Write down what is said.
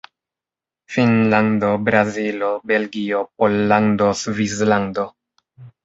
Finnlando, Brazilo, Belgio, Pollando, Svislando.